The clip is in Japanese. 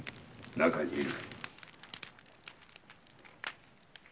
中にいる。